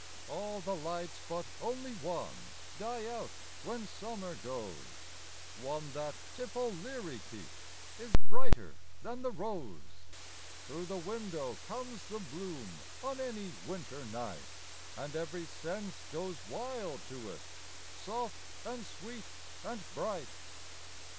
All the lights but only one die out when summer goes, One that Tip O'Leary keeps is brighter than the rose, Through the window comes the bloom on any winter night, And every sense goes wild to it, soft and sweet and bright.